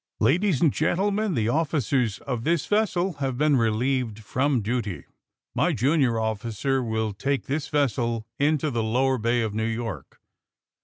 Ladies and gentlemen, the officers of this vessel have been relieved from duty. My jun ior officer will take this vessel in to the Lower Bay of New York.